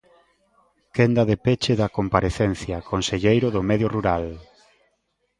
Quenda de peche da comparecencia, conselleiro do Medio Rural.